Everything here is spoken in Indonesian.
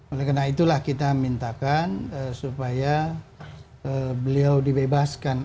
oleh karena itulah kita mintakan supaya beliau dibebaskan